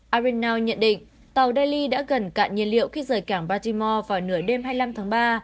arinault nhận định tàu delhi đã gần cạn nhân liệu khi rời cảng baltimore vào nửa đêm hai mươi năm tháng ba